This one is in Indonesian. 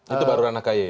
itu baru ranah ky ya